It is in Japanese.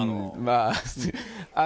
まあ。